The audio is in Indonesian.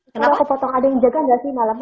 kalau aku potong ada yang jaga gak sih malam